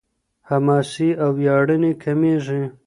حماسي او وياړني کمېږي.